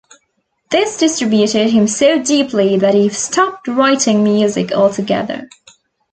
This disturbed him so deeply that he stopped writing music altogether.